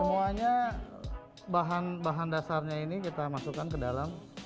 semuanya bahan bahan dasarnya ini kita masukkan ke dalam